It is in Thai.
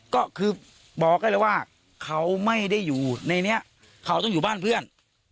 ก็คือบอกได้เลยว่าเขาไม่ได้อยู่ในนี้เขาต้องอยู่บ้านเพื่อน